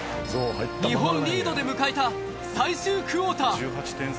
日本リードで迎えた最終クオーター。